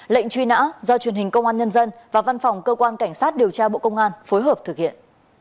lệnh truy nã do truyền hình công an nhân dân và văn phòng cơ quan cảnh sát điều tra bộ công an phối hợp thực hiện